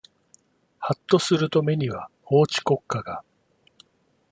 はっとすると目には法治国家が